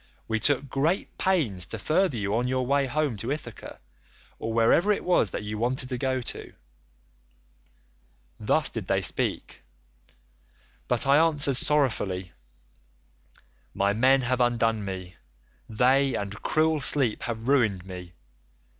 We took great pains to further you on your way home to Ithaca, or wherever it was that you wanted to go to.' "Thus did they speak, but I answered sorrowfully, 'My men have undone me; they, and cruel sleep, have ruined me.